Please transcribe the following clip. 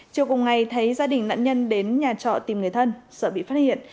chiều cùng ngày thấy gia đình nạn nhân đến nhà trọ tìm người thân sợ bị phát hiện